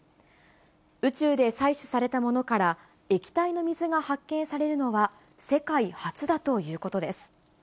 宇宙で採取されたものから液体の水が発見されるのは、世界初だということです。